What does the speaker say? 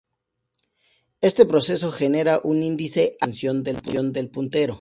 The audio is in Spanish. Este proceso genera un índice, hace la función de puntero.